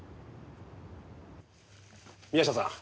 宮下さん。